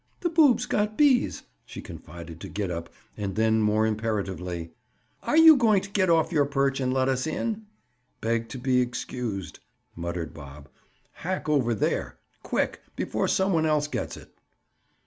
"The boob's got bees," she confided to Gid up, and then more imperatively: "Are you going to get off your perch and let us in?" "Beg to be excused," muttered Bob. "Hack over there! Quick! Before some one else gets it."